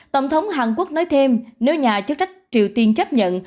tổng thống hàn quốc nói thêm nếu nhà chức trách triều tiên chấp nhận